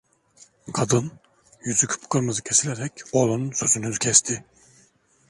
Kadın, yüzü kıpkırmızı kesilerek, oğlunun sözünü kesti.